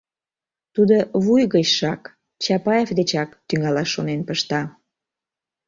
Тудо вуй гычшак — Чапаев дечак – тӱҥалаш шонен пышта...